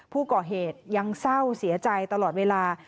ผู้ก่อเหตุยังเศร้าเสียใจตลอดเวลา